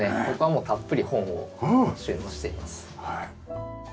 ここはもうたっぷり本を収納しています。